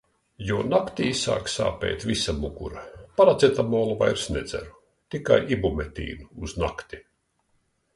Jo naktī sāk sāpēt visa mugura. Paracetamolu vairs nedzeru, tikai Ibumetīnu uz nakti.